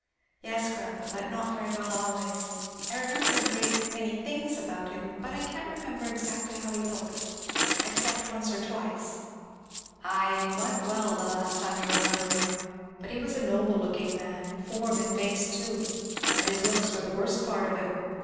"Yes grandpa, but not very well always; I remember a great many things about him, but I can't remember exactly how he looked, except once or twice." "Ay, and he wa'n't well the last time you remember him. But he was a noble looking man in form and face too and his looks were the worst part of him.